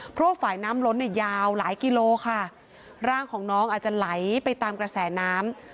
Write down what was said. เพราะว่าฝ่ายน้ำล้นเนี่ยยาวหลายกิโลค่ะร่างของน้องอาจจะไหลไปตามกระแสน้ำ